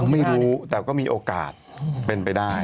ไม่รู้แต่ก็มีโอกาสเป็นไปได้